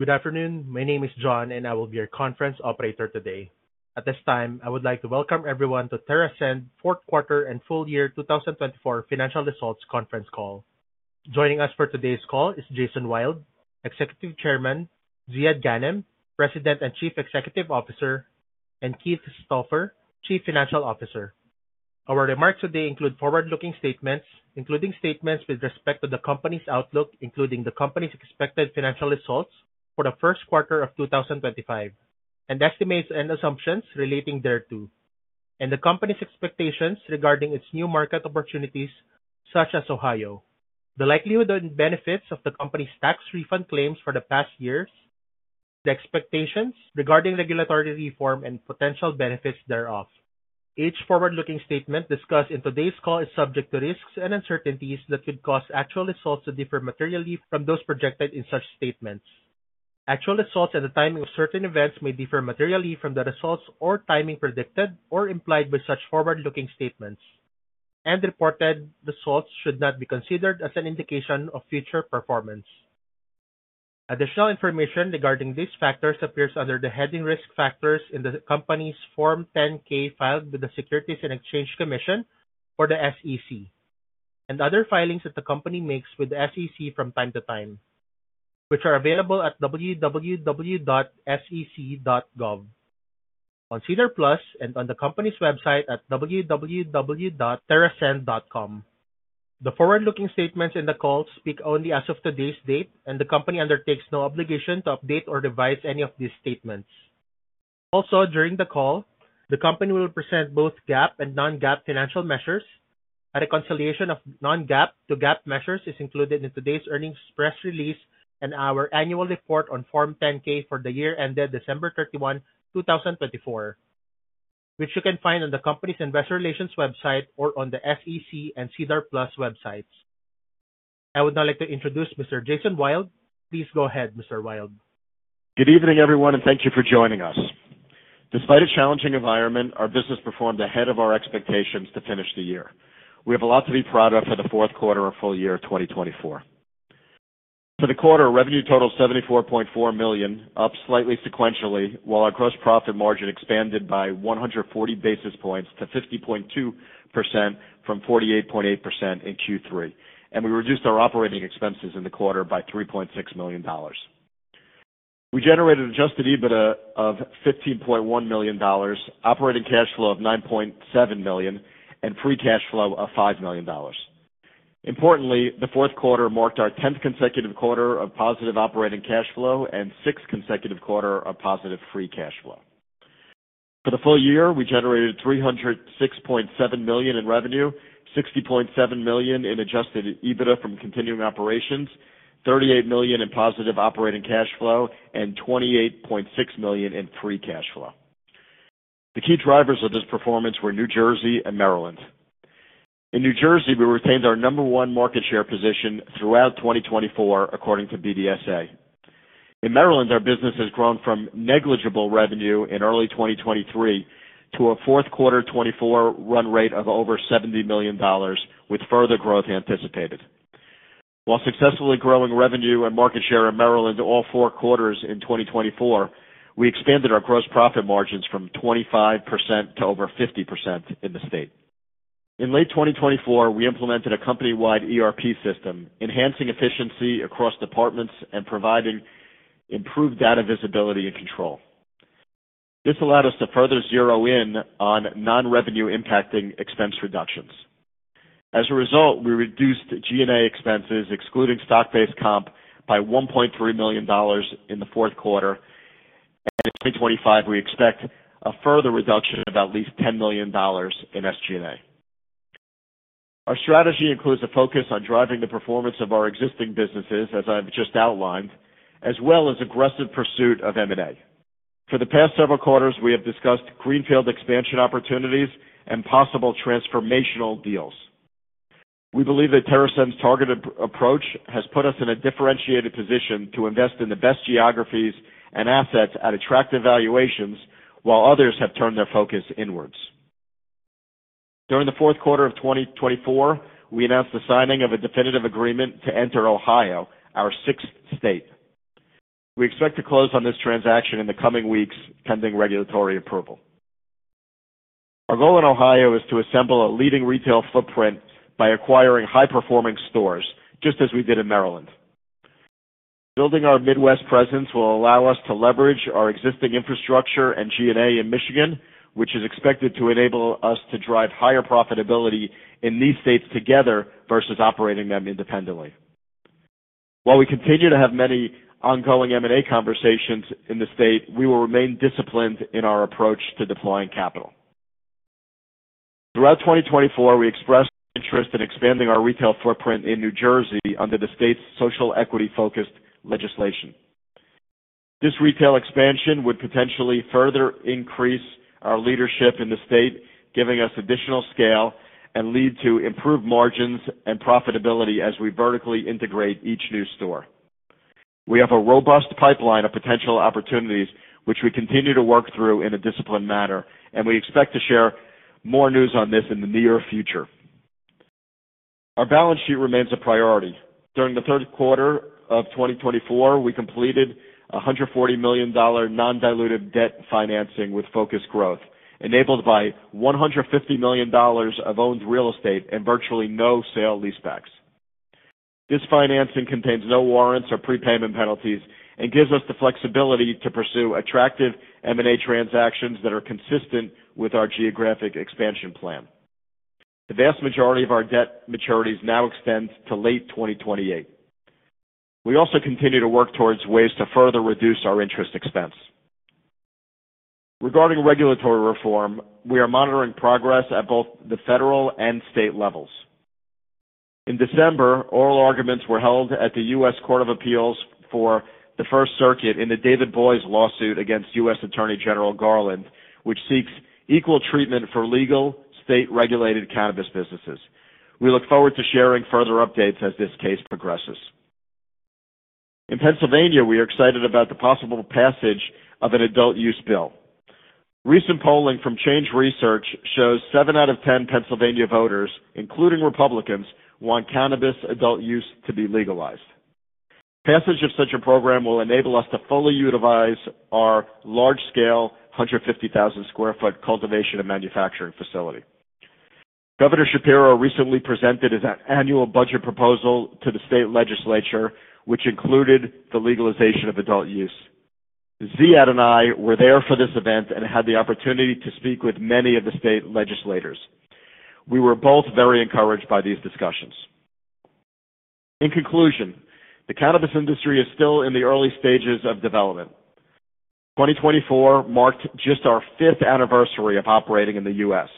Good afternoon. My name is John, and I will be your conference operator today. At this time, I would like to welcome everyone to TerrAscend Fourth Quarter and Full Year 2024 Financial Results Conference Call. Joining us for today's call is Jason Wild, Executive Chairman, Ziad Ghanem, President and Chief Executive Officer, and Keith Stauffer, Chief Financial Officer. Our remarks today include forward-looking statements, including statements with respect to the company's outlook, including the company's expected financial results for the first quarter of 2025, and estimates and assumptions relating thereto, and the company's expectations regarding its new market opportunities such as Ohio, the likelihood and benefits of the company's tax refund claims for the past years, the expectations regarding regulatory reform, and potential benefits thereof. Each forward-looking statement discussed in today's call is subject to risks and uncertainties that could cause actual results to differ materially from those projected in such statements. Actual results and the timing of certain events may differ materially from the results or timing predicted or implied by such forward-looking statements, and reported results should not be considered as an indication of future performance. Additional information regarding these factors appears under the heading Risk Factors in the company's Form 10-K filed with the Securities and Exchange Commission, or the SEC, and other filings that the company makes with the SEC from time to time, which are available at www.sec.gov and on the company's website at www.terrascend.com. The forward-looking statements in the call speak only as of today's date, and the company undertakes no obligation to update or revise any of these statements. Also, during the call, the company will present both GAAP and non-GAAP financial measures. A reconciliation of non-GAAP to GAAP measures is included in today's earnings press release and our annual report on Form 10-K for the year ended December 31, 2024, which you can find on the company's Investor Relations website or on the SEC and SEDAR+ websites. I would now like to introduce Mr. Jason Wild. Please go ahead, Mr. Wild. Good evening, everyone, and thank you for joining us. Despite a challenging environment, our business performed ahead of our expectations to finish the year. We have a lot to be proud of for the fourth quarter of full year 2024. For the quarter, revenue totaled $74.4 million, up slightly sequentially, while our gross profit margin expanded by 140 basis points to 50.2% from 48.8% in Q3, and we reduced our operating expenses in the quarter by $3.6 million. We generated adjusted EBITDA of $15.1 million, operating cash flow of $9.7 million, and free cash flow of $5 million. Importantly, the fourth quarter marked our 10th consecutive quarter of positive operating cash flow and sixth consecutive quarter of positive free cash flow. For the full year, we generated $306.7 million in revenue, $60.7 million in adjusted EBITDA from continuing operations, $38 million in positive operating cash flow, and $28.6 million in free cash flow. The key drivers of this performance were New Jersey and Maryland. In New Jersey, we retained our number one market share position throughout 2024, according to BDSA. In Maryland, our business has grown from negligible revenue in early 2023 to a fourth quarter 2024 run rate of over $70 million, with further growth anticipated. While successfully growing revenue and market share in Maryland all four quarters in 2024, we expanded our gross profit margins from 25% to over 50% in the state. In late 2024, we implemented a company-wide ERP system, enhancing efficiency across departments and providing improved data visibility and control. This allowed us to further zero in on non-revenue-impacting expense reductions. As a result, we reduced G&A expenses, excluding stock-based comp, by $1.3 million in the fourth quarter, and in 2025, we expect a further reduction of at least $10 million in SG&A. Our strategy includes a focus on driving the performance of our existing businesses, as I've just outlined, as well as aggressive pursuit of M&A. For the past several quarters, we have discussed greenfield expansion opportunities and possible transformational deals. We believe that TerrAscend's targeted approach has put us in a differentiated position to invest in the best geographies and assets at attractive valuations, while others have turned their focus inwards. During the fourth quarter of 2024, we announced the signing of a definitive agreement to enter Ohio, our sixth state. We expect to close on this transaction in the coming weeks pending regulatory approval. Our goal in Ohio is to assemble a leading retail footprint by acquiring high-performing stores, just as we did in Maryland. Building our Midwest presence will allow us to leverage our existing infrastructure and G&A in Michigan, which is expected to enable us to drive higher profitability in these states together versus operating them independently. While we continue to have many ongoing M&A conversations in the state, we will remain disciplined in our approach to deploying capital. Throughout 2024, we expressed interest in expanding our retail footprint in New Jersey under the state's social equity-focused legislation. This retail expansion would potentially further increase our leadership in the state, giving us additional scale and lead to improved margins and profitability as we vertically integrate each new store. We have a robust pipeline of potential opportunities, which we continue to work through in a disciplined manner, and we expect to share more news on this in the near future. Our balance sheet remains a priority. During the third quarter of 2024, we completed $140 million non-dilutive debt financing with Focused Growth, enabled by $150 million of owned real estate and virtually no sale leasebacks. This financing contains no warrants or prepayment penalties and gives us the flexibility to pursue attractive M&A transactions that are consistent with our geographic expansion plan. The vast majority of our debt maturities now extend to late 2028. We also continue to work towards ways to further reduce our interest expense. Regarding regulatory reform, we are monitoring progress at both the federal and state levels. In December, oral arguments were held at the U.S. Court of Appeals for the First Circuit in the David Boies lawsuit against U.S. Attorney General Garland, which seeks equal treatment for legal state-regulated cannabis businesses. We look forward to sharing further updates as this case progresses. In Pennsylvania, we are excited about the possible passage of an adult use bill. Recent polling from Change Research shows 7 out of 10 Pennsylvania voters, including Republicans, want cannabis adult use to be legalized. Passage of such a program will enable us to fully utilize our large-scale 150,000 sq ft cultivation and manufacturing facility. Governor Shapiro recently presented his annual budget proposal to the state legislature, which included the legalization of adult use. Ziad and I were there for this event and had the opportunity to speak with many of the state legislators. We were both very encouraged by these discussions. In conclusion, the cannabis industry is still in the early stages of development. 2024 marked just our fifth anniversary of operating in the U.S.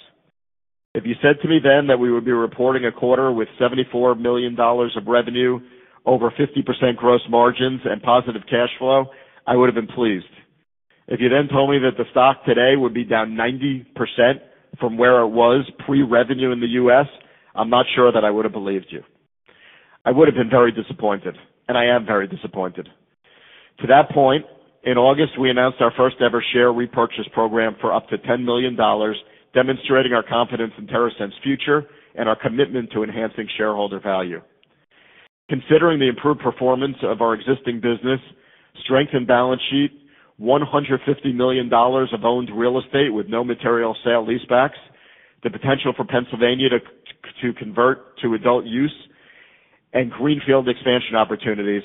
If you said to me then that we would be reporting a quarter with $74 million of revenue, over 50% gross margins, and positive cash flow, I would have been pleased. If you then told me that the stock today would be down 90% from where it was pre-revenue in the U.S., I'm not sure that I would have believed you. I would have been very disappointed, and I am very disappointed. To that point, in August, we announced our first-ever share repurchase program for up to $10 million, demonstrating our confidence in TerrAscend's future and our commitment to enhancing shareholder value. Considering the improved performance of our existing business, strengthened balance sheet, $150 million of owned real estate with no material sale leasebacks, the potential for Pennsylvania to convert to adult use, and greenfield expansion opportunities,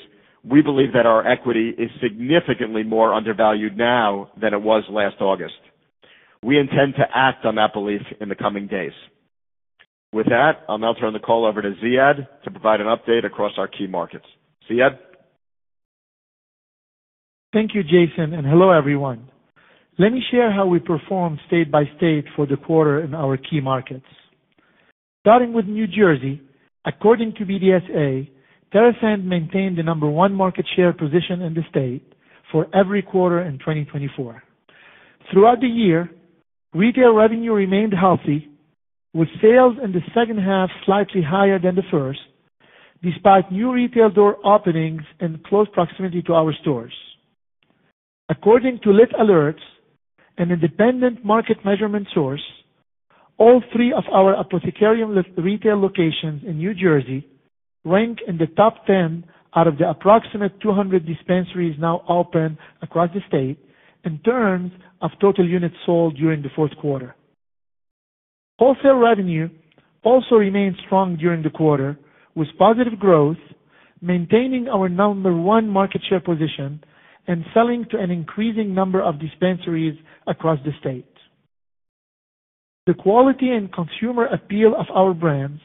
we believe that our equity is significantly more undervalued now than it was last August. We intend to act on that belief in the coming days. With that, I'll now turn the call over to Ziad to provide an update across our key markets. Ziad? Thank you, Jason, and hello, everyone. Let me share how we performed state by state for the quarter in our key markets. Starting with New Jersey, according to BDSA, TerrAscend maintained the number one market share position in the state for every quarter in 2024. Throughout the year, retail revenue remained healthy, with sales in the second half slightly higher than the first, despite new retail door openings and close proximity to our stores. According to Lit Alerts, an independent market measurement source, all three of our Apothecarium retail locations in New Jersey rank in the top 10 out of the approximate 200 dispensaries now open across the state in terms of total units sold during the fourth quarter. Wholesale revenue also remained strong during the quarter, with positive growth, maintaining our number one market share position and selling to an increasing number of dispensaries across the state. The quality and consumer appeal of our brands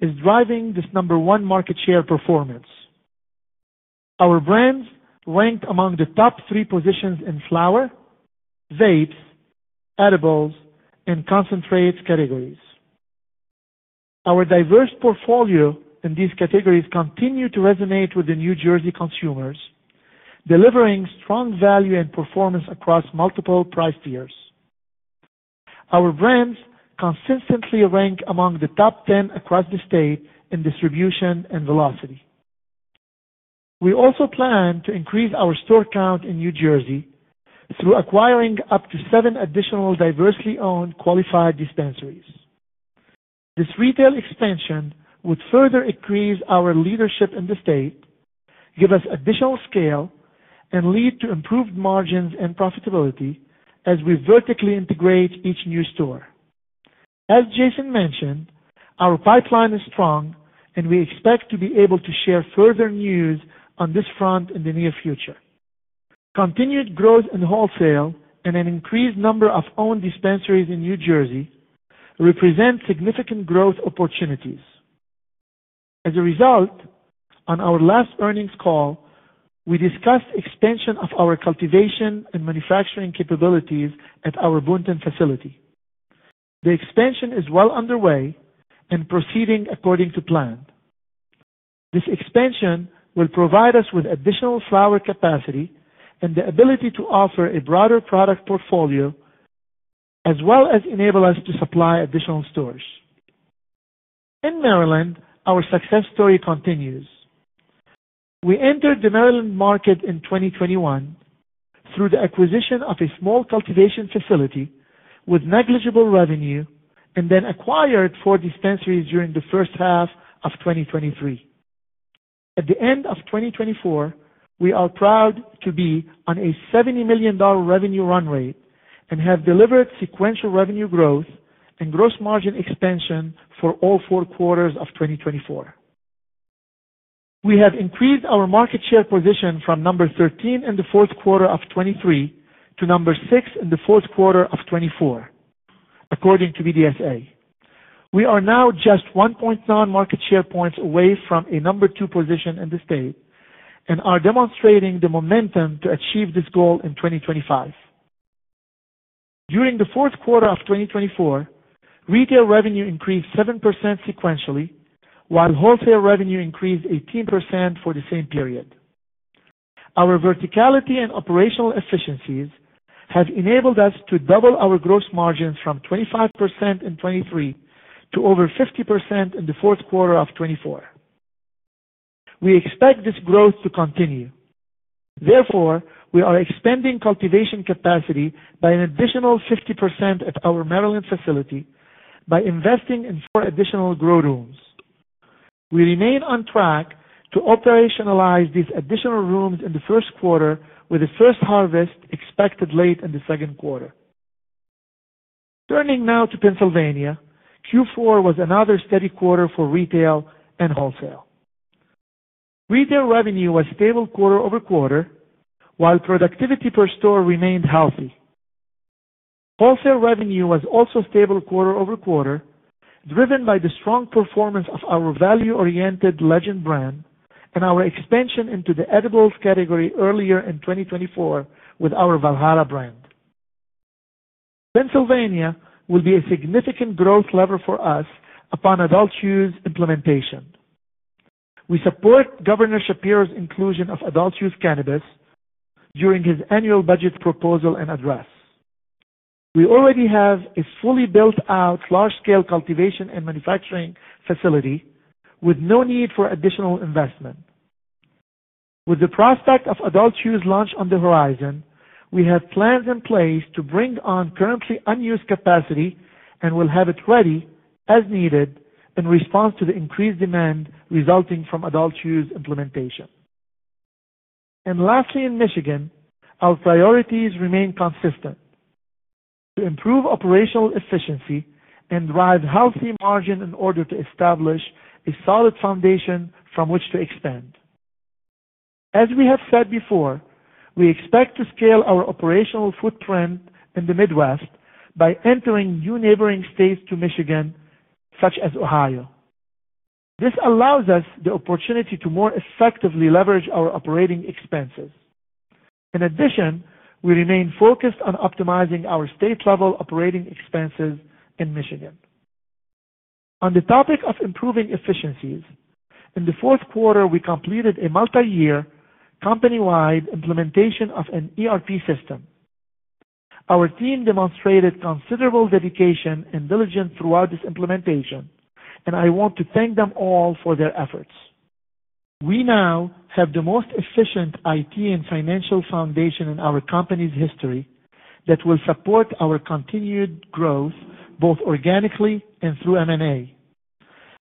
is driving this number one market share performance. Our brands ranked among the top three positions in flower, vapes, edibles, and concentrates categories. Our diverse portfolio in these categories continues to resonate with the New Jersey consumers, delivering strong value and performance across multiple price tiers. Our brands consistently rank among the top 10 across the state in distribution and velocity. We also plan to increase our store count in New Jersey through acquiring up to seven additional diversely owned qualified dispensaries. This retail expansion would further increase our leadership in the state, give us additional scale, and lead to improved margins and profitability as we vertically integrate each new store. As Jason mentioned, our pipeline is strong, and we expect to be able to share further news on this front in the near future. Continued growth in wholesale and an increased number of owned dispensaries in New Jersey represent significant growth opportunities. As a result, on our last earnings call, we discussed the expansion of our cultivation and manufacturing capabilities at our Boonton facility. The expansion is well underway and proceeding according to plan. This expansion will provide us with additional flower capacity and the ability to offer a broader product portfolio, as well as enable us to supply additional stores. In Maryland, our success story continues. We entered the Maryland market in 2021 through the acquisition of a small cultivation facility with negligible revenue and then acquired four dispensaries during the first half of 2023. At the end of 2024, we are proud to be on a $70 million revenue run rate and have delivered sequential revenue growth and gross margin expansion for all four quarters of 2024. We have increased our market share position from number 13 in the fourth quarter of 2023 to number 6 in the fourth quarter of 2024, according to BDSA. We are now just 1.9 market share points away from a number 2 position in the state and are demonstrating the momentum to achieve this goal in 2025. During the fourth quarter of 2024, retail revenue increased 7% sequentially, while wholesale revenue increased 18% for the same period. Our verticality and operational efficiencies have enabled us to double our gross margins from 25% in 2023 to over 50% in the fourth quarter of 2024. We expect this growth to continue. Therefore, we are expanding cultivation capacity by an additional 50% at our Maryland facility by investing in four additional grow rooms. We remain on track to operationalize these additional rooms in the first quarter, with the first harvest expected late in the second quarter. Turning now to Pennsylvania, Q4 was another steady quarter for retail and wholesale. Retail revenue was stable quarter over quarter, while productivity per store remained healthy. Wholesale revenue was also stable quarter over quarter, driven by the strong performance of our value-oriented Legend brand and our expansion into the edibles category earlier in 2024 with our Valhalla brand. Pennsylvania will be a significant growth lever for us upon adult use implementation. We support Governor Shapiro's inclusion of adult use cannabis during his annual budget proposal and address. We already have a fully built-out large-scale cultivation and manufacturing facility with no need for additional investment. With the prospect of adult use launch on the horizon, we have plans in place to bring on currently unused capacity and will have it ready as needed in response to the increased demand resulting from adult use implementation. Lastly, in Michigan, our priorities remain consistent: to improve operational efficiency and drive healthy margin in order to establish a solid foundation from which to expand. As we have said before, we expect to scale our operational footprint in the Midwest by entering new neighboring states to Michigan, such as Ohio. This allows us the opportunity to more effectively leverage our operating expenses. In addition, we remain focused on optimizing our state-level operating expenses in Michigan. On the topic of improving efficiencies, in the fourth quarter, we completed a multi-year company-wide implementation of an ERP system. Our team demonstrated considerable dedication and diligence throughout this implementation, and I want to thank them all for their efforts. We now have the most efficient IT and financial foundation in our company's history that will support our continued growth both organically and through M&A.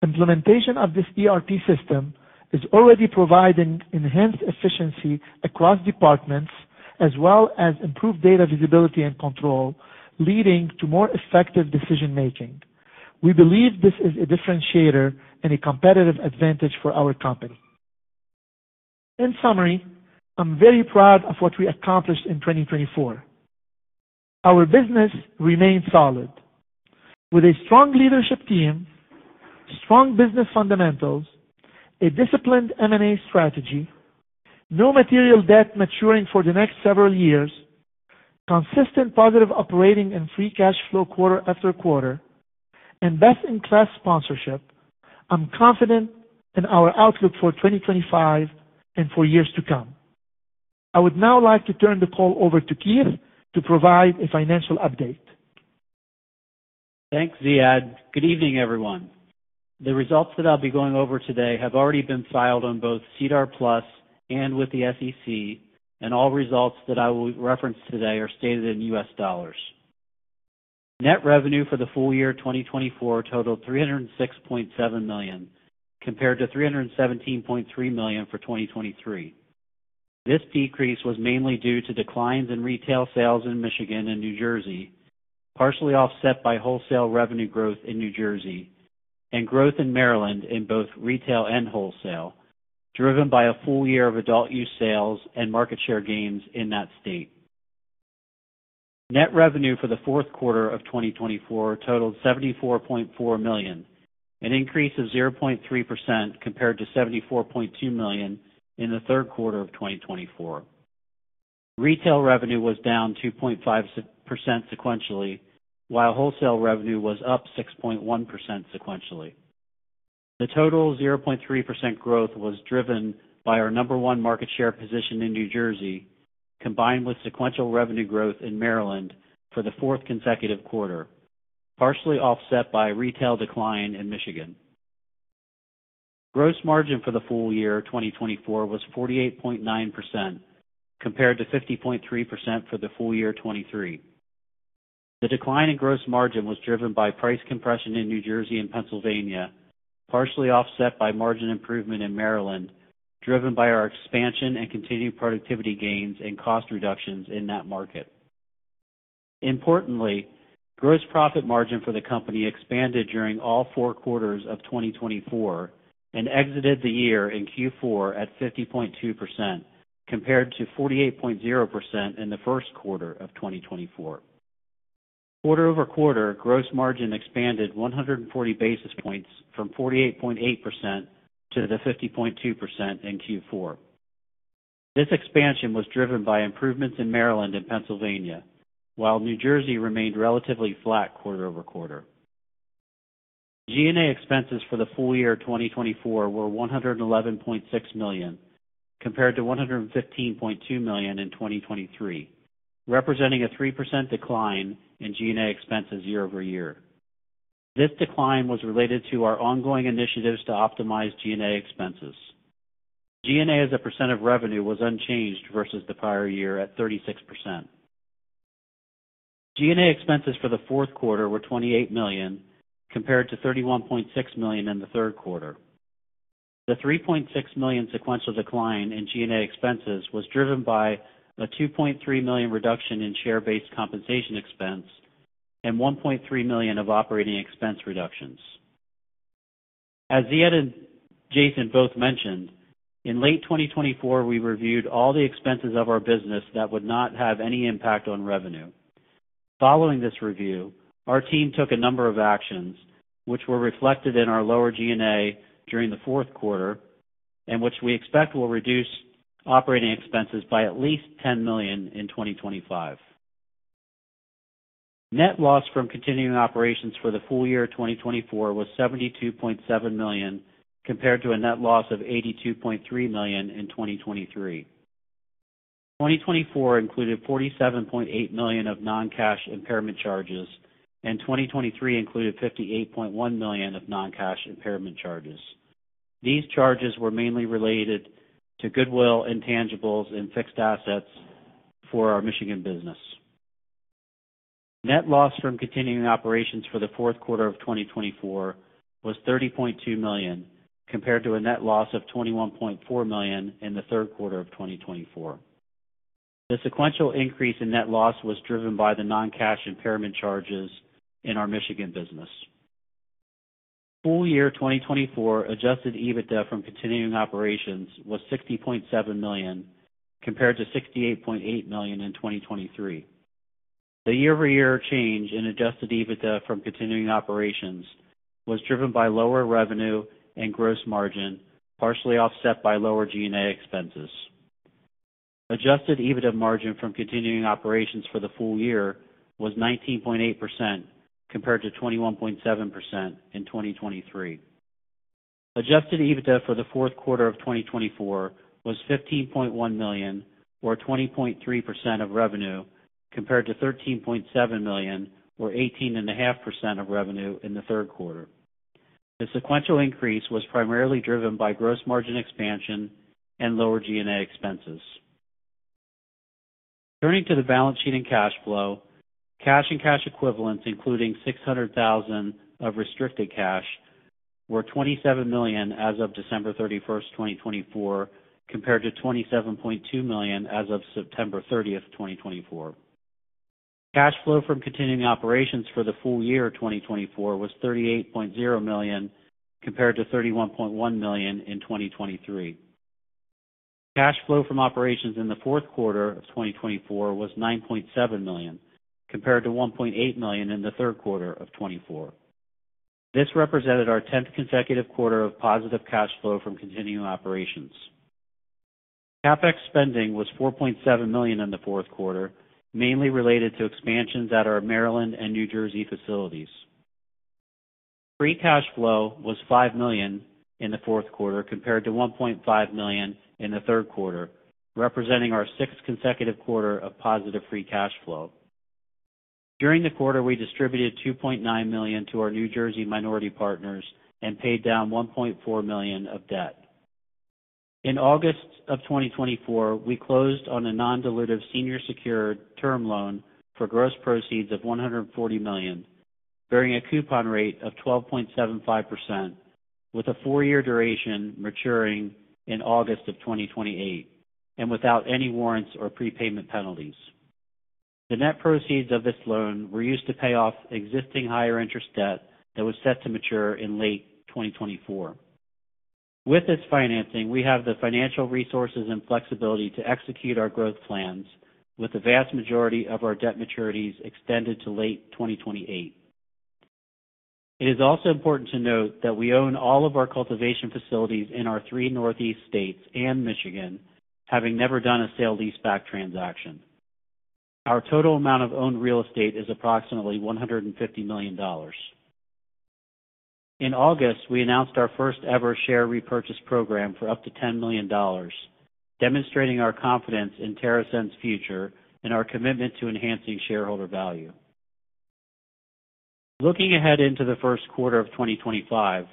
Implementation of this ERP system is already providing enhanced efficiency across departments, as well as improved data visibility and control, leading to more effective decision-making. We believe this is a differentiator and a competitive advantage for our company. In summary, I'm very proud of what we accomplished in 2024. Our business remained solid, with a strong leadership team, strong business fundamentals, a disciplined M&A strategy, no material debt maturing for the next several years, consistent positive operating and free cash flow quarter after quarter, and best-in-class sponsorship. I'm confident in our outlook for 2025 and for years to come. I would now like to turn the call over to Keith to provide a financial update. Thanks, Ziad. Good evening, everyone. The results that I'll be going over today have already been filed on both SEDAR+ and with the SEC, and all results that I will reference today are stated in U.S. dollars. Net revenue for the full year 2024 totaled $306.7 million, compared to $317.3 million for 2023. This decrease was mainly due to declines in retail sales in Michigan and New Jersey, partially offset by wholesale revenue growth in New Jersey and growth in Maryland in both retail and wholesale, driven by a full year of adult use sales and market share gains in that state. Net revenue for the fourth quarter of 2024 totaled $74.4 million, an increase of 0.3% compared to $74.2 million in the third quarter of 2024. Retail revenue was down 2.5% sequentially, while wholesale revenue was up 6.1% sequentially. The total 0.3% growth was driven by our number one market share position in New Jersey, combined with sequential revenue growth in Maryland for the fourth consecutive quarter, partially offset by retail decline in Michigan. Gross margin for the full year 2024 was 48.9%, compared to 50.3% for the full year 2023. The decline in gross margin was driven by price compression in New Jersey and Pennsylvania, partially offset by margin improvement in Maryland, driven by our expansion and continued productivity gains and cost reductions in that market. Importantly, gross profit margin for the company expanded during all four quarters of 2024 and exited the year in Q4 at 50.2%, compared to 48.0% in the first quarter of 2024. Quarter over quarter, gross margin expanded 140 basis points from 48.8% to 50.2% in Q4. This expansion was driven by improvements in Maryland and Pennsylvania, while New Jersey remained relatively flat quarter over quarter. G&A expenses for the full year 2024 were $111.6 million, compared to $115.2 million in 2023, representing a 3% decline in G&A expenses year over year. This decline was related to our ongoing initiatives to optimize G&A expenses. G&A as a percent of revenue was unchanged versus the prior year at 36%. G&A expenses for the fourth quarter were $28 million, compared to $31.6 million in the third quarter. The $3.6 million sequential decline in G&A expenses was driven by a $2.3 million reduction in share-based compensation expense and $1.3 million of operating expense reductions. As Ziad and Jason both mentioned, in late 2024, we reviewed all the expenses of our business that would not have any impact on revenue. Following this review, our team took a number of actions, which were reflected in our lower G&A during the fourth quarter, and which we expect will reduce operating expenses by at least $10 million in 2025. Net loss from continuing operations for the full year 2024 was $72.7 million, compared to a net loss of $82.3 million in 2023. 2024 included $47.8 million of non-cash impairment charges, and 2023 included $58.1 million of non-cash impairment charges. These charges were mainly related to goodwill, intangibles, and fixed assets for our Michigan business. Net loss from continuing operations for the fourth quarter of 2024 was $30.2 million, compared to a net loss of $21.4 million in the third quarter of 2024. The sequential increase in net loss was driven by the non-cash impairment charges in our Michigan business. Full year 2024 adjusted EBITDA from continuing operations was $60.7 million, compared to $68.8 million in 2023. The year-over-year change in adjusted EBITDA from continuing operations was driven by lower revenue and gross margin, partially offset by lower G&A expenses. Adjusted EBITDA margin from continuing operations for the full year was 19.8%, compared to 21.7% in 2023. Adjusted EBITDA for the fourth quarter of 2024 was $15.1 million, or 20.3% of revenue, compared to $13.7 million, or 18.5% of revenue in the third quarter. The sequential increase was primarily driven by gross margin expansion and lower G&A expenses. Turning to the balance sheet and cash flow, cash and cash equivalents, including $600,000 of restricted cash, were $27 million as of December 31, 2024, compared to $27.2 million as of September 30, 2024. Cash flow from continuing operations for the full year 2024 was $38.0 million, compared to $31.1 million in 2023. Cash flow from operations in the fourth quarter of 2024 was $9.7 million, compared to $1.8 million in the third quarter of 2024. This represented our tenth consecutive quarter of positive cash flow from continuing operations. CapEx spending was $4.7 million in the fourth quarter, mainly related to expansions at our Maryland and New Jersey facilities. Free cash flow was $5 million in the fourth quarter, compared to $1.5 million in the third quarter, representing our sixth consecutive quarter of positive free cash flow. During the quarter, we distributed $2.9 million to our New Jersey minority partners and paid down $1.4 million of debt. In August of 2024, we closed on a non-dilutive senior secured term loan for gross proceeds of $140 million, bearing a coupon rate of 12.75%, with a four-year duration maturing in August of 2028, and without any warrants or prepayment penalties. The net proceeds of this loan were used to pay off existing higher-interest debt that was set to mature in late 2024. With this financing, we have the financial resources and flexibility to execute our growth plans, with the vast majority of our debt maturities extended to late 2028. It is also important to note that we own all of our cultivation facilities in our three Northeast states and Michigan, having never done a sale lease-back transaction. Our total amount of owned real estate is approximately $150 million. In August, we announced our first-ever share repurchase program for up to $10 million, demonstrating our confidence in TerrAscend's future and our commitment to enhancing shareholder value. Looking ahead into the first quarter of 2025,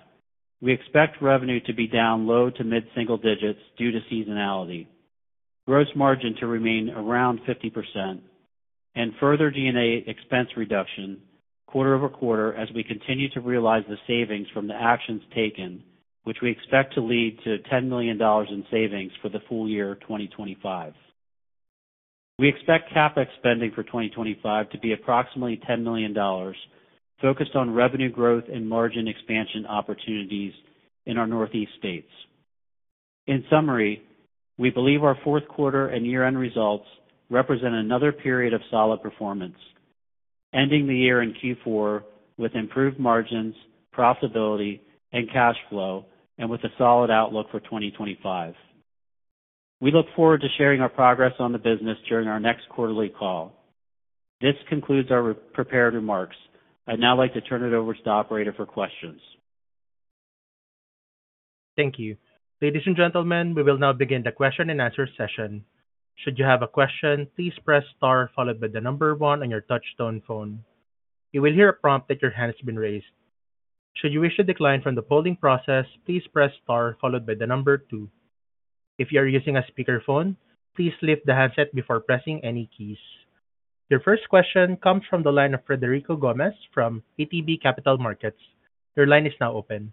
we expect revenue to be down low to mid-single digits due to seasonality, gross margin to remain around 50%, and further G&A expense reduction quarter over quarter as we continue to realize the savings from the actions taken, which we expect to lead to $10 million in savings for the full year 2025. We expect CapEx spending for 2025 to be approximately $10 million, focused on revenue growth and margin expansion opportunities in our Northeast states. In summary, we believe our fourth quarter and year-end results represent another period of solid performance, ending the year in Q4 with improved margins, profitability, and cash flow, and with a solid outlook for 2025. We look forward to sharing our progress on the business during our next quarterly call. This concludes our prepared remarks. I'd now like to turn it over to the operator for questions. Thank you. Ladies and gentlemen, we will now begin the question-and-answer session. Should you have a question, please press * followed by the number 1 on your touchstone phone. You will hear a prompt that your hand has been raised. Should you wish to decline from the polling process, please press * followed by the number 2. If you are using a speakerphone, please lift the handset before pressing any keys. Your first question comes from the line of Federico Gomes from ATB Capital Markets. Your line is now open.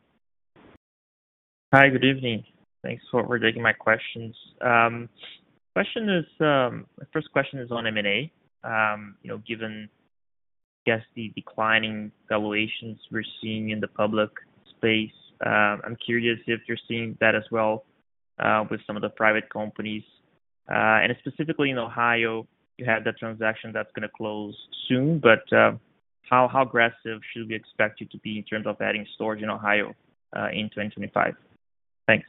Hi, good evening. Thanks for taking my questions. My first question is on M&A. Given, I guess, the declining valuations we're seeing in the public space, I'm curious if you're seeing that as well with some of the private companies. Specifically in Ohio, you have that transaction that's going to close soon. How aggressive should we expect you to be in terms of adding stores in Ohio in 2025? Thanks.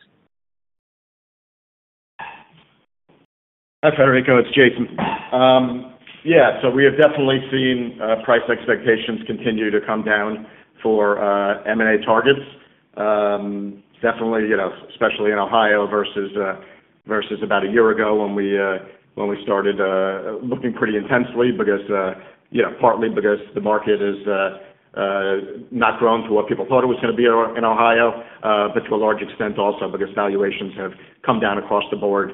Hi, Federico. It's Jason. Yeah, we have definitely seen price expectations continue to come down for M&A targets. Definitely, especially in Ohio versus about a year ago when we started looking pretty intensely, partly because the market has not grown to what people thought it was going to be in Ohio, but to a large extent also because valuations have come down across the board.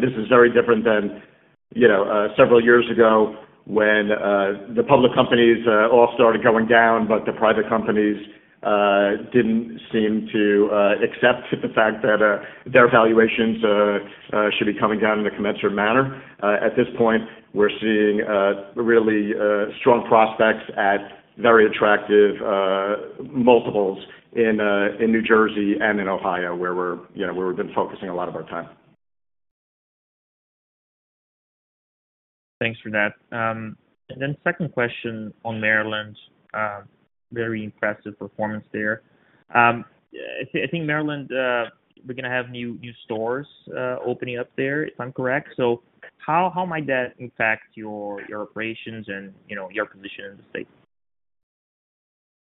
This is very different than several years ago when the public companies all started going down, but the private companies did not seem to accept the fact that their valuations should be coming down in a commensurate manner. At this point, we are seeing really strong prospects at very attractive multiples in New Jersey and in Ohio, where we have been focusing a lot of our time. Thanks for that. Second question on Maryland, very impressive performance there. I think Maryland, we're going to have new stores opening up there, if I'm correct. How might that impact your operations and your position in the state?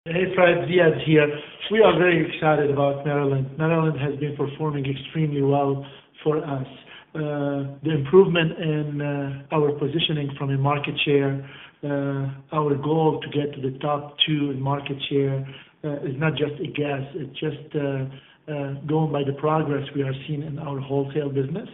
Hey, Fred, Ziad here. We are very excited about Maryland. Maryland has been performing extremely well for us. The improvement in our positioning from a market share, our goal to get to the top two in market share is not just a guess. It's just going by the progress we are seeing in our wholesale business,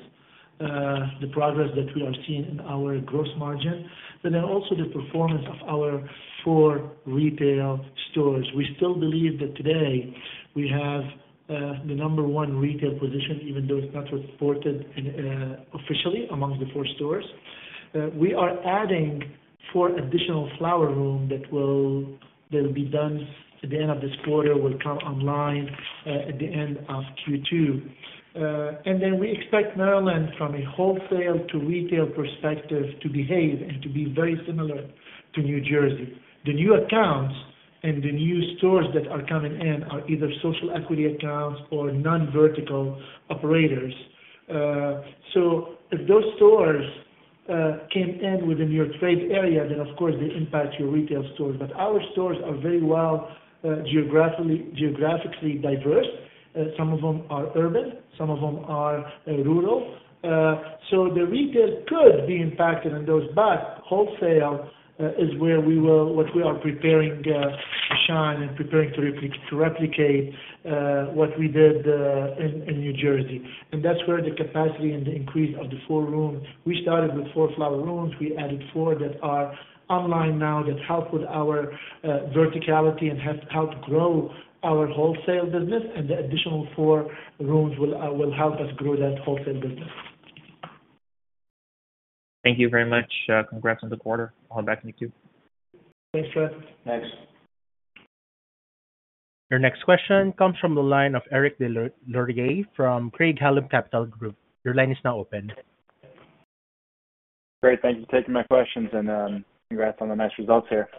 the progress that we are seeing in our gross margin, but then also the performance of our four retail stores. We still believe that today we have the number one retail position, even though it's not reported officially among the four stores. We are adding four additional flower rooms that will be done at the end of this quarter, will come online at the end of Q2. We expect Maryland, from a wholesale to retail perspective, to behave and to be very similar to New Jersey. The new accounts and the new stores that are coming in are either social equity accounts or non-vertical operators. If those stores came in within your trade area, then of course they impact your retail stores. Our stores are very well geographically diverse. Some of them are urban, some of them are rural. The retail could be impacted, and those back wholesale is where we will, what we are preparing to shine and preparing to replicate what we did in New Jersey. That is where the capacity and the increase of the four rooms. We started with four flower rooms. We added four that are online now that help with our verticality and help grow our wholesale business. The additional four rooms will help us grow that wholesale business. Thank you very much. Congrats on the quarter. I'll have back in Q2. Thanks, Fred. Thanks. Your next question comes from the line of Eric Des Lauriers from Craig-Hallum Capital Group. Your line is now open. Great. Thank you for taking my questions, and congrats on the nice results here.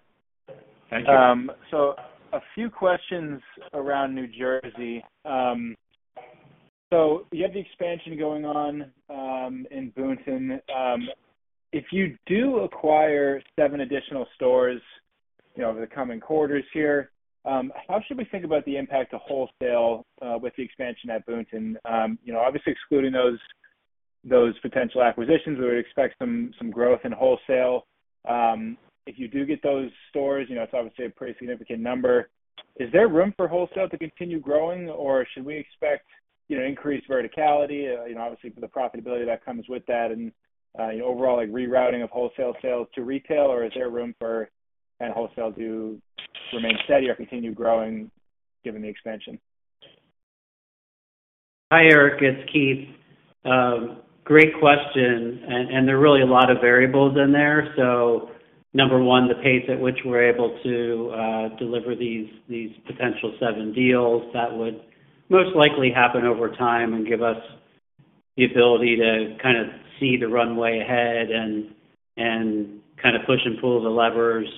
Thank you. A few questions around New Jersey. You have the expansion going on in Boonton. If you do acquire seven additional stores over the coming quarters here, how should we think about the impact of wholesale with the expansion at Boonton? Obviously, excluding those potential acquisitions, we would expect some growth in wholesale. If you do get those stores, it's obviously a pretty significant number. Is there room for wholesale to continue growing, or should we expect increased verticality, obviously, for the profitability that comes with that, and overall rerouting of wholesale sales to retail? Or is there room for wholesale to remain steady or continue growing given the expansion? Hi, Eric. It's Keith. Great question. There are really a lot of variables in there. Number one, the pace at which we're able to deliver these potential seven deals that would most likely happen over time and give us the ability to kind of see the runway ahead and kind of push and pull the levers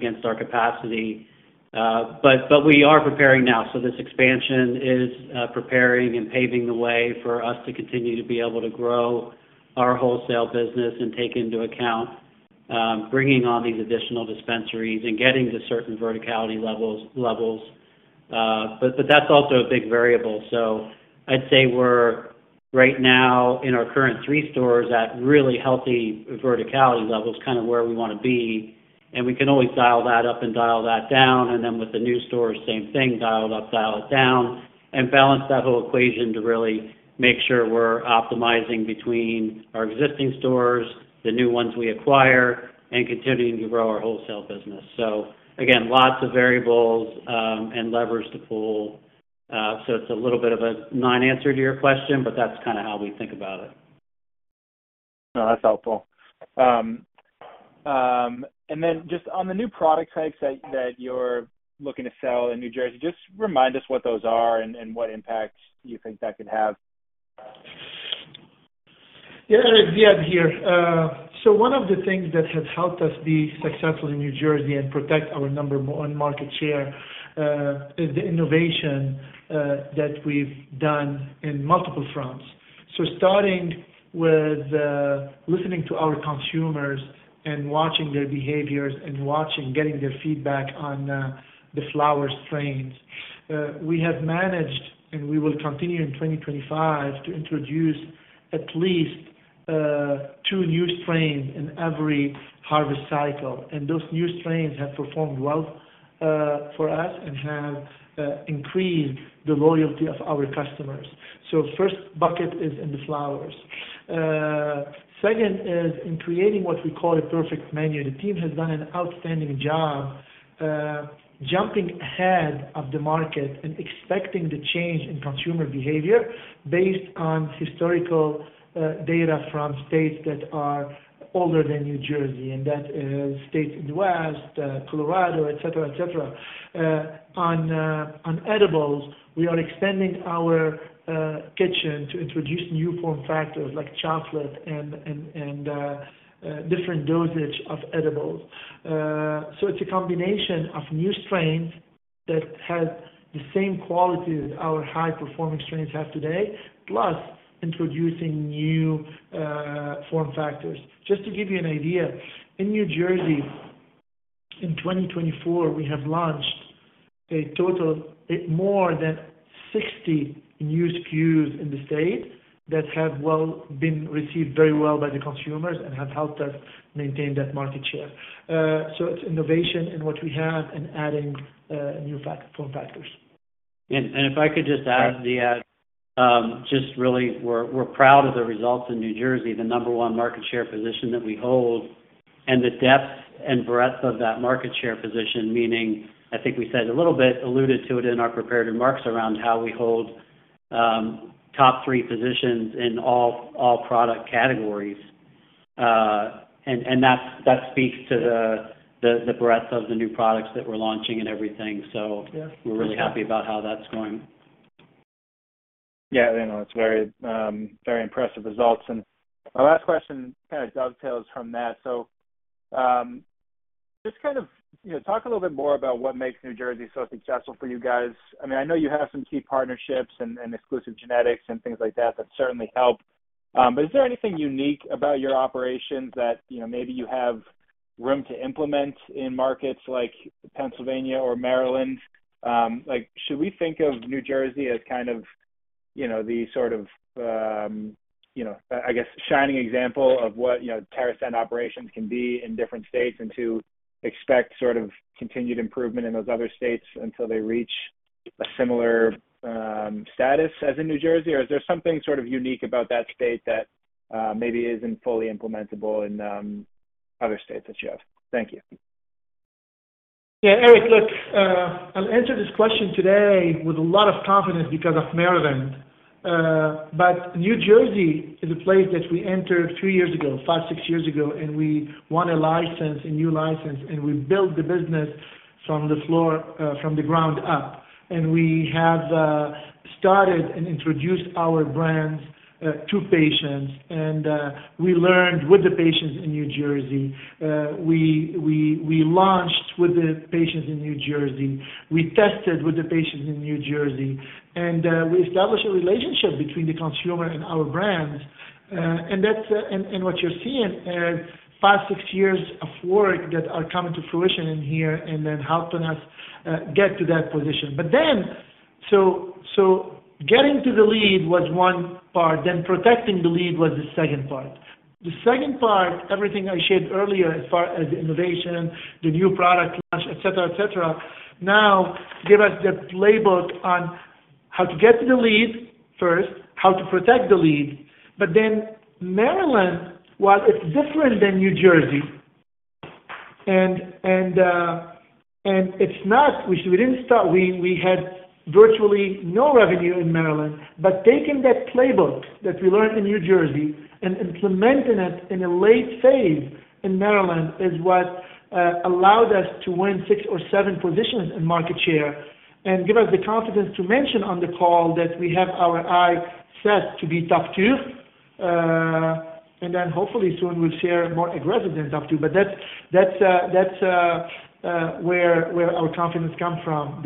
against our capacity. We are preparing now. This expansion is preparing and paving the way for us to continue to be able to grow our wholesale business and take into account bringing on these additional dispensaries and getting to certain verticality levels. That's also a big variable. I'd say we're right now in our current three stores at really healthy verticality levels, kind of where we want to be. We can always dial that up and dial that down. With the new stores, same thing, dial it up, dial it down, and balance that whole equation to really make sure we're optimizing between our existing stores, the new ones we acquire, and continuing to grow our wholesale business. Again, lots of variables and levers to pull. It's a little bit of a non-answer to your question, but that's kind of how we think about it. No, that's helpful. Then just on the new product types that you're looking to sell in New Jersey, just remind us what those are and what impact you think that could have. Yeah, Eric, Ziad here. One of the things that has helped us be successful in New Jersey and protect our number one market share is the innovation that we've done in multiple fronts. Starting with listening to our consumers and watching their behaviors and getting their feedback on the flower strains, we have managed, and we will continue in 2025 to introduce at least two new strains in every harvest cycle. Those new strains have performed well for us and have increased the loyalty of our customers. The first bucket is in the flowers. The second is in creating what we call a perfect menu. The team has done an outstanding job jumping ahead of the market and expecting the change in consumer behavior based on historical data from states that are older than New Jersey, and that is states in the West, Colorado, etc., etc. On edibles, we are extending our kitchen to introduce new form factors like chocolate and different dosages of edibles. It is a combination of new strains that have the same qualities that our high-performing strains have today, plus introducing new form factors. Just to give you an idea, in New Jersey, in 2024, we have launched a total of more than 60 new SKUs in the state that have been received very well by the consumers and have helped us maintain that market share. It is innovation in what we have and adding new form factors. If I could just add, Ziad, just really, we're proud of the results in New Jersey, the number one market share position that we hold, and the depth and breadth of that market share position, meaning I think we said a little bit alluded to it in our prepared remarks around how we hold top three positions in all product categories. That speaks to the breadth of the new products that we're launching and everything. We're really happy about how that's going. Yeah, I know. It's very impressive results. My last question kind of dovetails from that. Just kind of talk a little bit more about what makes New Jersey so successful for you guys. I mean, I know you have some key partnerships and exclusive genetics and things like that that certainly help. Is there anything unique about your operations that maybe you have room to implement in markets like Pennsylvania or Maryland? Should we think of New Jersey as kind of the sort of, I guess, shining example of what TerrAscend operations can be in different states and to expect sort of continued improvement in those other states until they reach a similar status as in New Jersey? Is there something sort of unique about that state that maybe isn't fully implementable in other states that you have? Thank you. Yeah, Eric, look, I'll answer this question today with a lot of confidence because of Maryland. New Jersey is a place that we entered three years ago, five, six years ago, and we won a license, a new license, and we built the business from the floor, from the ground up. We have started and introduced our brands to patients. We learned with the patients in New Jersey. We launched with the patients in New Jersey. We tested with the patients in New Jersey. We established a relationship between the consumer and our brands. What you're seeing is five, six years of work that are coming to fruition in here and then helping us get to that position. Getting to the lead was one part. Protecting the lead was the second part. The second part, everything I shared earlier as far as the innovation, the new product launch, etc., etc., now give us the playbook on how to get to the lead first, how to protect the lead. Maryland, while it's different than New Jersey, and it's not we didn't start. We had virtually no revenue in Maryland. Taking that playbook that we learned in New Jersey and implementing it in a late phase in Maryland is what allowed us to win six or seven positions in market share and give us the confidence to mention on the call that we have our eye set to be top two. Hopefully soon we'll share more aggressive than top two. That's where our confidence comes from,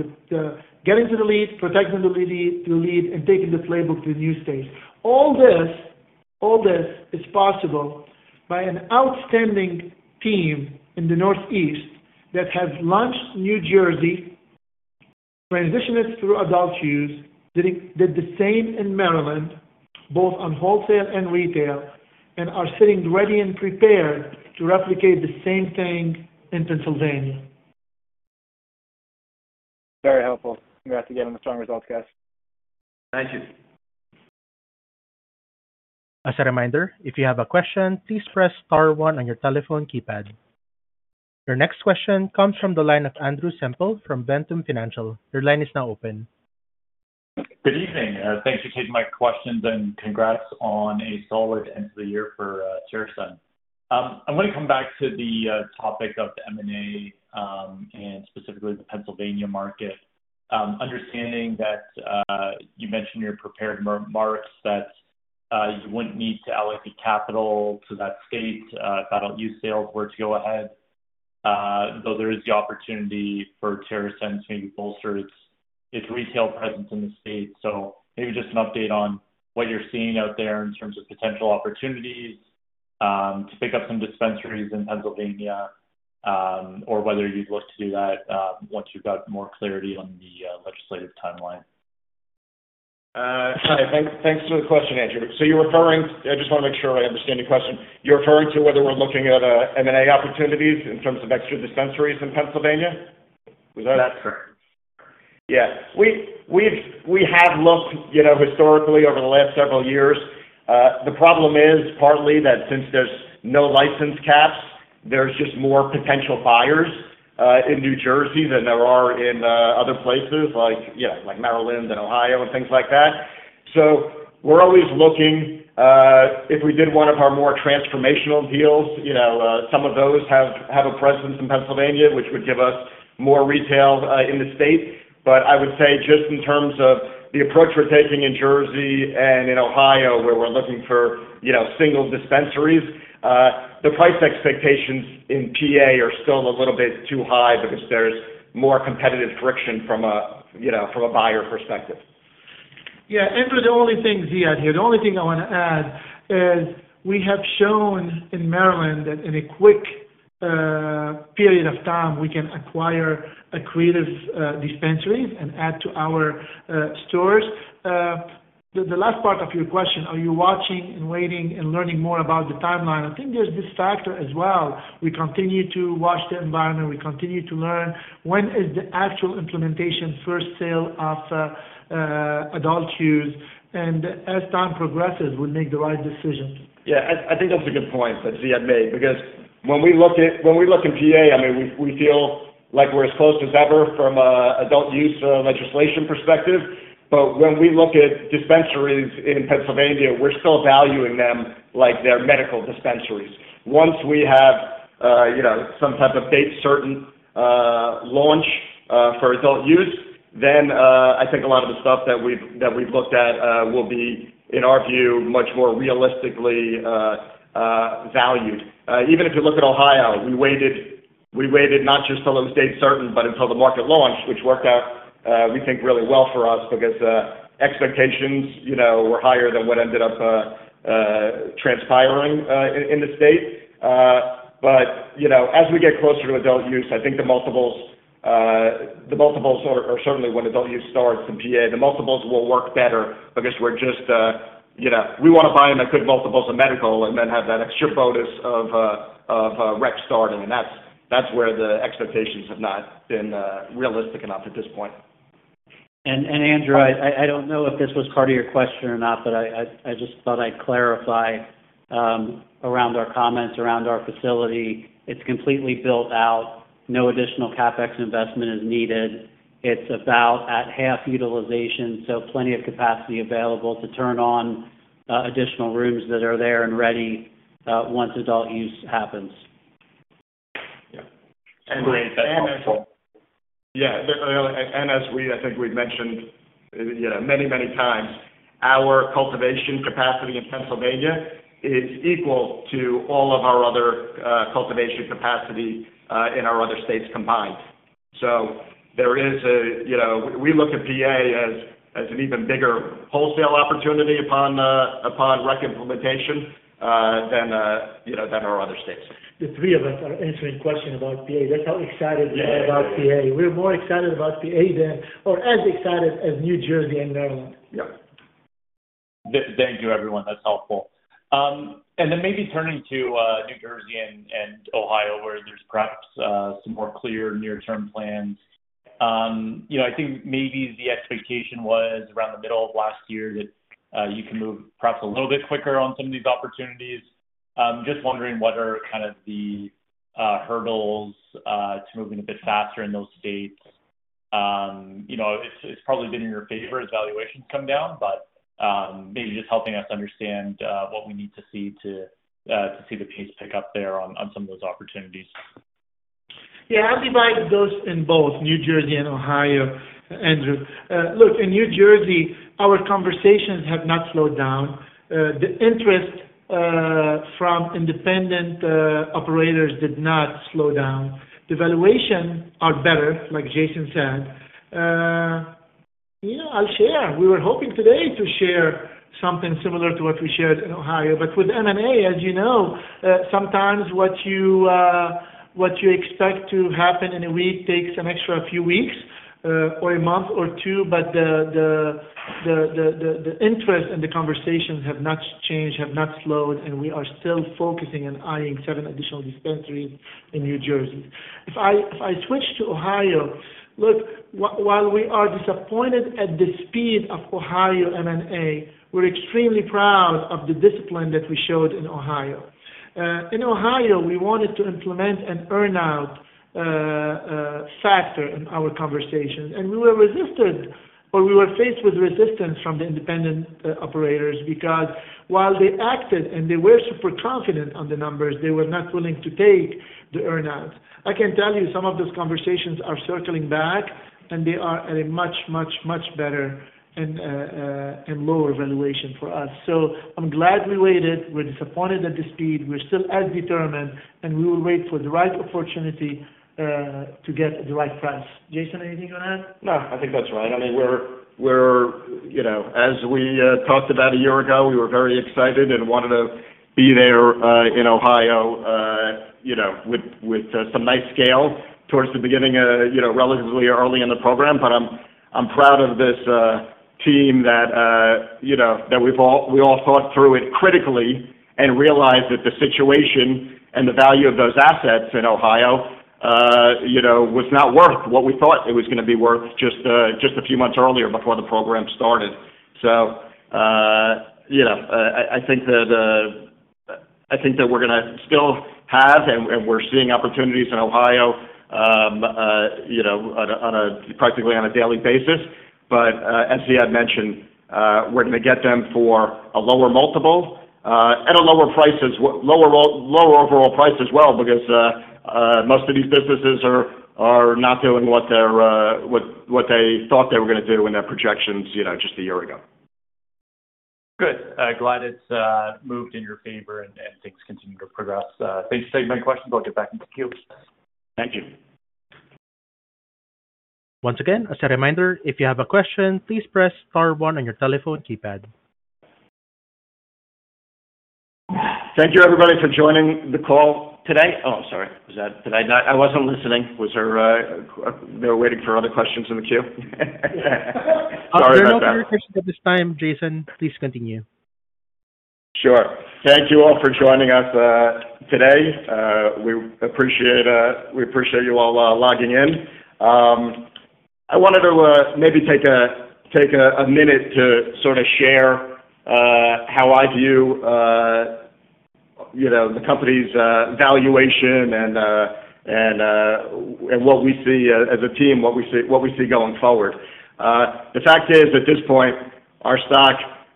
getting to the lead, protecting the lead, and taking the playbook to the new states. All this is possible by an outstanding team in the Northeast that has launched New Jersey, transitioned it through adult use, did the same in Maryland, both on wholesale and retail, and are sitting ready and prepared to replicate the same thing in Pennsylvania. Very helpful. Congrats again on the strong results, guys. Thank you. As a reminder, if you have a question, please press star one on your telephone keypad. Your next question comes from the line of Andrew Semple from Ventum Financial. Your line is now open. Good evening. Thanks for taking my questions and congrats on a solid end to the year for TerrAscend. I'm going to come back to the topic of the M&A and specifically the Pennsylvania market, understanding that you mentioned in your prepared remarks that you wouldn't need to allocate capital to that state if adult use sales were to go ahead, though there is the opportunity for TerrAscend to maybe bolster its retail presence in the state. Maybe just an update on what you're seeing out there in terms of potential opportunities to pick up some dispensaries in Pennsylvania or whether you'd look to do that once you've got more clarity on the legislative timeline. Hi, thanks for the question, Andrew. You're referring—I just want to make sure I understand your question. You're referring to whether we're looking at M&A opportunities in terms of extra dispensaries in Pennsylvania? Was that? That's correct. Yeah. We have looked historically over the last several years. The problem is partly that since there's no license caps, there's just more potential buyers in New Jersey than there are in other places like Maryland and Ohio and things like that. We are always looking. If we did one of our more transformational deals, some of those have a presence in Pennsylvania, which would give us more retail in the state. I would say just in terms of the approach we are taking in Jersey and in Ohio, where we are looking for single dispensaries, the price expectations in Pennsylvania are still a little bit too high because there's more competitive friction from a buyer perspective. Yeah. Andrew, the only thing, Ziad here, the only thing I want to add is we have shown in Maryland that in a quick period of time, we can acquire accretive dispensaries and add to our stores. The last part of your question, are you watching and waiting and learning more about the timeline? I think there's this factor as well. We continue to watch the environment. We continue to learn when is the actual implementation, first sale of adult use. As time progresses, we'll make the right decisions. Yeah. I think that's a good point that Ziad made because when we look at when we look in PA, I mean, we feel like we're as close as ever from an adult use legislation perspective. When we look at dispensaries in Pennsylvania, we're still valuing them like they're medical dispensaries. Once we have some type of date-certain launch for adult use, then I think a lot of the stuff that we've looked at will be, in our view, much more realistically valued. Even if you look at Ohio, we waited not just until it was date-certain, but until the market launched, which worked out, we think, really well for us because expectations were higher than what ended up transpiring in the state. As we get closer to adult use, I think the multiples are certainly when adult use starts in Pennsylvania, the multiples will work better because we just, we want to buy them at good multiples of medical and then have that extra bonus of rec starting. That is where the expectations have not been realistic enough at this point. Andrew, I do not know if this was part of your question or not, but I just thought I would clarify around our comments, around our facility. It is completely built out. No additional CapEx investment is needed. It is about at half utilization, so plenty of capacity available to turn on additional rooms that are there and ready once adult use happens. Yeah. As we, I think we've mentioned many, many times, our cultivation capacity in Pennsylvania is equal to all of our other cultivation capacity in our other states combined. There is a we look at PA as an even bigger wholesale opportunity upon rec implementation than our other states. The three of us are answering questions about PA. That's how excited we are about PA. We're more excited about PA than or as excited as New Jersey and Maryland. Yeah. Thank you, everyone. That's helpful. Maybe turning to New Jersey and Ohio, where there's perhaps some more clear near-term plans. I think maybe the expectation was around the middle of last year that you can move perhaps a little bit quicker on some of these opportunities. Just wondering what are kind of the hurdles to moving a bit faster in those states. It's probably been in your favor as valuations come down, but maybe just helping us understand what we need to see to see the pace pick up there on some of those opportunities. Yeah. I'll divide those in both New Jersey and Ohio, Andrew. Look, in New Jersey, our conversations have not slowed down. The interest from independent operators did not slow down. The valuations are better, like Jason said. I'll share. We were hoping today to share something similar to what we shared in Ohio. With M&A, as you know, sometimes what you expect to happen in a week takes an extra few weeks or a month or two. The interest and the conversations have not changed, have not slowed, and we are still focusing and eyeing seven additional dispensaries in New Jersey. If I switch to Ohio, look, while we are disappointed at the speed of Ohio M&A, we're extremely proud of the discipline that we showed in Ohio. In Ohio, we wanted to implement an earn-out factor in our conversations. We were resisted or we were faced with resistance from the independent operators because while they acted and they were super confident on the numbers, they were not willing to take the earn-outs. I can tell you some of those conversations are circling back, and they are at a much, much, much better and lower valuation for us. I am glad we waited. We are disappointed at the speed. We are still as determined, and we will wait for the right opportunity to get the right price. Jason, anything you want to add? No, I think that's right. I mean, as we talked about a year ago, we were very excited and wanted to be there in Ohio with some nice scale towards the beginning, relatively early in the program. I am proud of this team that we all thought through it critically and realized that the situation and the value of those assets in Ohio was not worth what we thought it was going to be worth just a few months earlier before the program started. I think that we're going to still have, and we're seeing opportunities in Ohio practically on a daily basis. As Ziad mentioned, we're going to get them for a lower multiple at a lower price, lower overall price as well, because most of these businesses are not doing what they thought they were going to do in their projections just a year ago. Good. Glad it's moved in your favor and things continue to progress. Thanks for taking my questions. I'll get back into the queue. Thank you. Once again, as a reminder, if you have a question, please press star one on your telephone keypad. Thank you, everybody, for joining the call today. Oh, I'm sorry. Was that today? I wasn't listening. Was there—they were waiting for other questions in the queue. I'll turn it over to you at this time, Jason. Please continue. Sure. Thank you all for joining us today. We appreciate you all logging in. I wanted to maybe take a minute to sort of share how I view the company's valuation and what we see as a team, what we see going forward. The fact is, at this point, our stock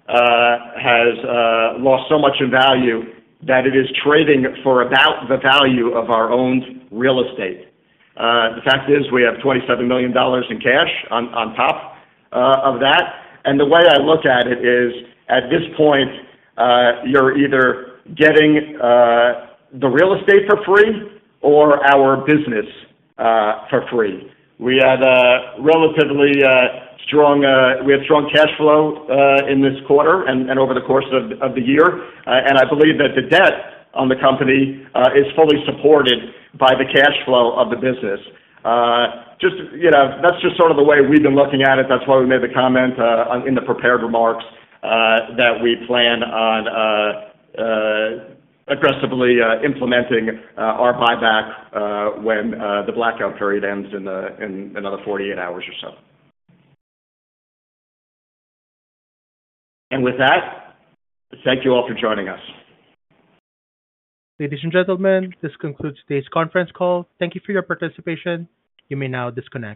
has lost so much in value that it is trading for about the value of our owned real estate. The fact is we have $27 million in cash on top of that. The way I look at it is, at this point, you're either getting the real estate for free or our business for free. We had a relatively strong we had strong cash flow in this quarter and over the course of the year. I believe that the debt on the company is fully supported by the cash flow of the business. That's just sort of the way we've been looking at it. That's why we made the comment in the prepared remarks that we plan on aggressively implementing our buyback when the blackout period ends in another 48 hours or so. With that, thank you all for joining us. Ladies and gentlemen, this concludes today's conference call. Thank you for your participation. You may now disconnect.